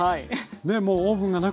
もうオーブンがなくても。